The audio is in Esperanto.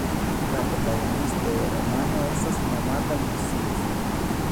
La protagonisto de la romano estas nomata Lucius.